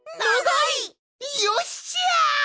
いよっしゃ！